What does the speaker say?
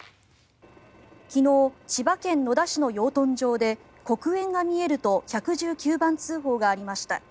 昨日千葉県野田市の養豚場で黒煙が見えると１１９番通報がありました。